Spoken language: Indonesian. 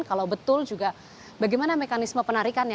kalau betul juga bagaimana mekanisme penarikannya